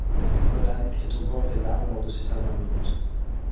Conan était au bord des larmes lors de ces dernières minutes.